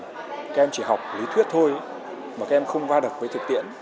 các em chỉ học lý thuyết thôi mà các em không va được với thực tiễn